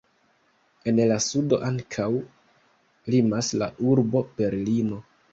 En la sudo ankaŭ limas la urbo Berlino.